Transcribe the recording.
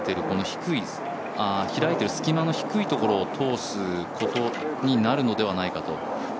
この開いている、低いところを通すことになるのではないかと。